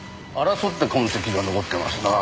争った痕跡が残ってますな。